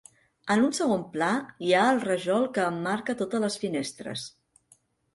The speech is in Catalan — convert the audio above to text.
En un segon pla, hi ha el rajol que emmarca totes les finestres.